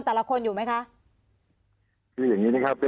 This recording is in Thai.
แต่ละคนอยู่ไหมคะคืออย่างงี้นะครับ